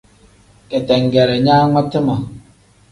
Ketengere nkangmatina ma.